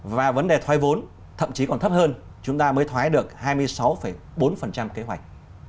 và vấn đề thoái vốn thậm chí còn thấp hơn chúng ta mới thoái được hai mươi sáu bốn kế hoạch